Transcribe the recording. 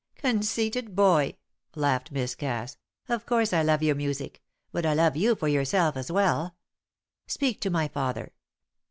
"Conceited boy," laughed Miss Cass. "Of course I love your music, but I love you for yourself as well. Speak to my father.